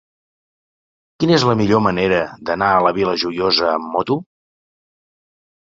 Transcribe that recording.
Quina és la millor manera d'anar a la Vila Joiosa amb moto?